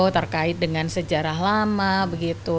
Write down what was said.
terkait dengan sejarah lama begitu